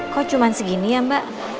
kok cuma segini ya mbak